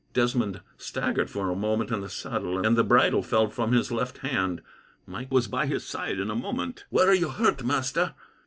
Desmond staggered for a moment in the saddle, and the bridle fell from his left hand. Mike was by his side in a moment. "Where are you hurt, master?"